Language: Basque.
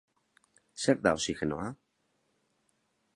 Zer da oxigenoa?